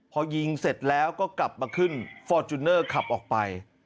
พอยิงเสร็จแล้วก็กลับมาขึ้นฟอร์จูเนอร์ขับออกไป